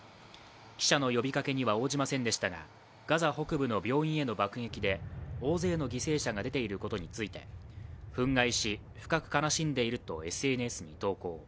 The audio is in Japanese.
記者の呼びかけには応じませんでしたがガザ北部の病院への爆撃で大勢の犠牲者が出ていることについて憤慨し深く悲しんでいるとＳＮＳに投稿。